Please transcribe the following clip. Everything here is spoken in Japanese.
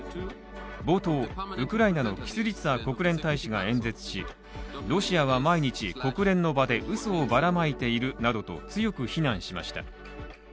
冒頭、ウクライナのキスリツァ国連大使が演説しロシアは毎日国連の場でうそをばらまいているなどと強く非難しました。